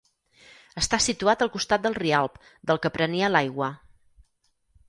Està situat al costat del Rialb, del que prenia l'aigua.